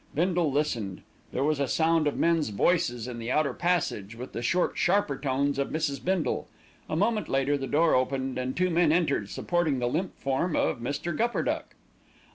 Bindle listened. There was a sound of men's voices in the outer passage, with the short, sharper tones of Mrs. Bindle. A moment later the door opened, and two men entered supporting the limp form of Mr. Gupperduck.